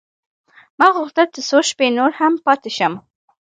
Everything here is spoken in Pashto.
ما غوښتل چې څو شپې نور هم پاته شم.